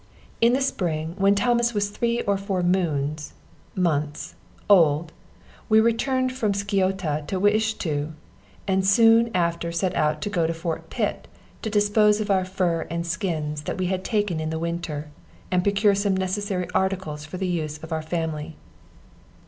In the spring, when Thomas was three or four moons [months] old, we returned from Sciota to Wiishto, and soon after set out to go to Fort Pitt, to dispose of our fur and skins, that we had taken in the winter, and procure some necessary articles for the use of our family.